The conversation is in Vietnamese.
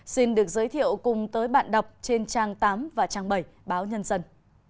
xin được giới thiệu cùng tới bạn đọc trên trang tám và trang bảy báo nhân dân